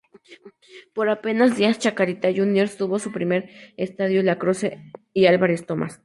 Por apenas días Chacarita Juniors tuvo su primer estadio en Lacroze y Álvarez Thomas.